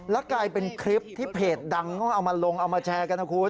แล้วกลายเป็นคลิปที่เพจดังเขาเอามาลงเอามาแชร์กันนะคุณ